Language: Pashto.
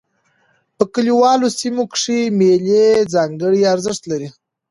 په کلیوالو سیمو کښي مېلې ځانګړی ارزښت لري.